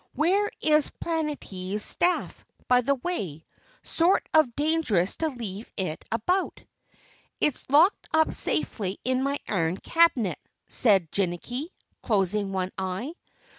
Where is Planetty's staff, by the way sort of dangerous to leave it about!" "It's locked up safely in my iron cabinet," said Jinnicky, closing one eye.